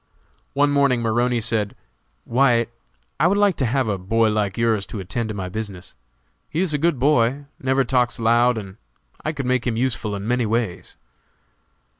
One morning Maroney said, "White, I would like to have a boy like yours to attend to my business; he is a good boy, never talks loud, and I could make him useful in many ways."